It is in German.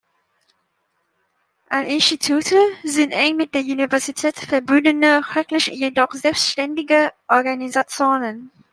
An-Institute sind eng mit der Universität verbundene, rechtlich jedoch selbständige Organisationen.